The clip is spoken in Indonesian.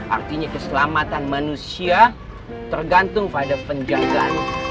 artinya keselamatan manusia tergantung pada penjagaan